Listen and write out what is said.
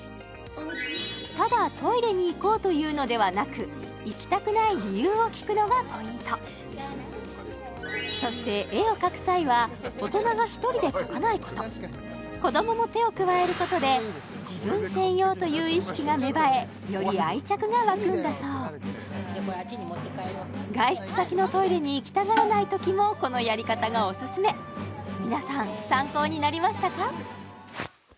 ただ「トイレに行こう」と言うのではなく行きたくない理由を聞くのがポイントそして絵を描く際は子どもも手を加えることで自分専用という意識が芽生えより愛着が湧くんだそう外出先のトイレに行きたがらないときもこのやり方がオススメ皆さん参考になりましたか？